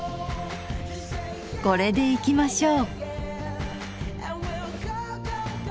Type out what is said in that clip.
これでいきましょう。